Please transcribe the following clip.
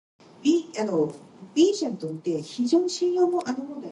The Marquis wanted the castle kept as a living document of Swedish history.